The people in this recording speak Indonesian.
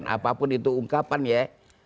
apapun itu ungkapan ya